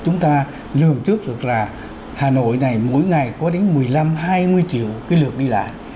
chúng ta lưu trước được là hà nội này mỗi ngày có đến một mươi năm hai mươi triệu cái lượt đi lại